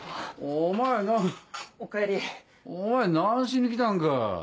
お前何しに来たんか。